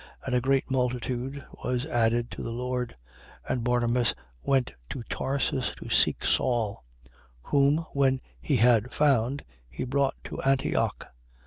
And a great multitude was added to the Lord. 11:25. And Barnabas went to Tarsus to seek Saul: whom, when he had found, he brought to Antioch.